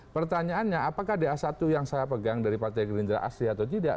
pertanyaannya apakah da satu yang saya pegang dari partai gerindra asli atau tidak